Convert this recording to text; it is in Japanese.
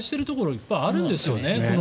いっぱいあるんですよね。